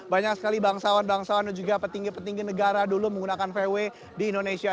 banyak sekali bangsawan bangsawan dan juga petinggi petinggi negara dulu menggunakan vw di indonesia